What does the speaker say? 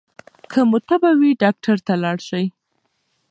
که تبه مو وي ډاکټر ته لاړ شئ.